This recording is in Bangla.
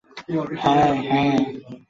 হ্যা, হ্যা।